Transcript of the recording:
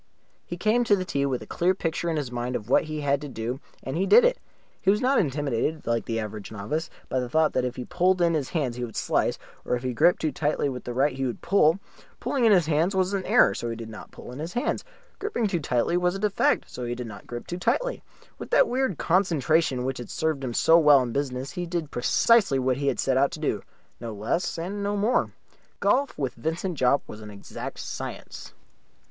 He came to the tee with a clear picture in his mind of what he had to do, and he did it. He was not intimidated, like the average novice, by the thought that if he pulled in his hands he would slice, or if he gripped too tightly with the right he would pull. Pulling in the hands was an error, so he did not pull in his hands. Gripping too tightly was a defect, so he did not grip too tightly. With that weird concentration which had served him so well in business he did precisely what he had set out to do no less and no more. Golf with Vincent Jopp was an exact science.